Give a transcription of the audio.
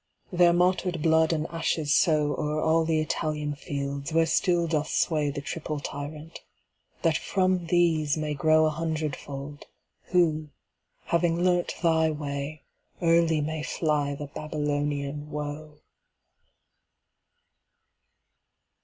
Their martyred blood and ashes sowO'er all the Italian fields, where still doth swayThe triple Tyrant; that from these may growA hundredfold, who, having learnt thy way, Early may fly the Babylonian woe.